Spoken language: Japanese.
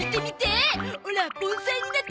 オラ盆栽になってみたゾ！